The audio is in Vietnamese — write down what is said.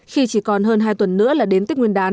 khi chỉ còn hơn hai tuần nữa là đến tích nguyên đán